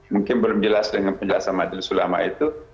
mungkin belum jelas dengan penjelasan majelis ulama itu